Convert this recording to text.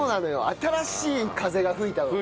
新しい風が吹いたの。